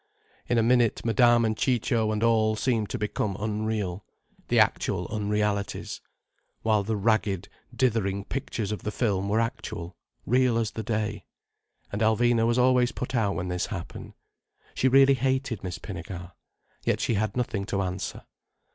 In a minute Madame and Ciccio and all seemed to become unreal—the actual unrealities: while the ragged dithering pictures of the film were actual, real as the day. And Alvina was always put out when this happened. She really hated Miss Pinnegar. Yet she had nothing to answer.